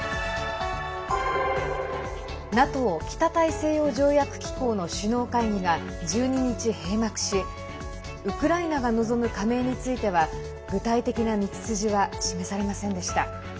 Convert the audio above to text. ＮＡＴＯ＝北大西洋条約機構の首脳会議が１２日、閉幕しウクライナが望む加盟については具体的な道筋は示されませんでした。